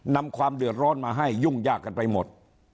นำความเดือดร้อนมาให้ยุ่งยากกันไปหมด